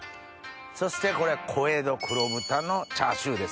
そしてこれ「小江戸黒豚のチャーシュー」ですね。